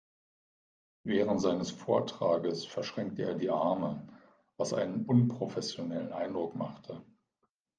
Während seines Vortrages verschränkte er die Arme, was einen unprofessionellen Eindruck machte.